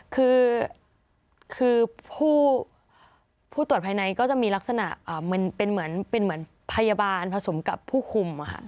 คือผู้ตรวจภายในก็จะมีลักษณะเป็นเหมือนพยาบาลผสมกับผู้คุม